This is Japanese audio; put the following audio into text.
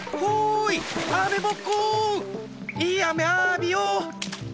いいあめあびよ！